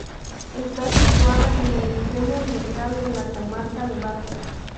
Está situada en el extremo oriental de la comarca de Baza.